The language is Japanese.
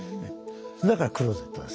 だからクローゼットです。